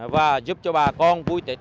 và giúp cho bà con vui tết